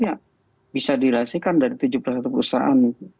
ya bisa dilasikan dari tujuh puluh satu perusahaan